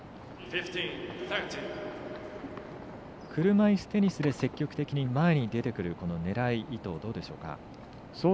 車いすテニスで積極的に前に出てくるねらい、意図どうでしょうか。